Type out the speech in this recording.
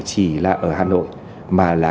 chỉ là ở hà nội mà là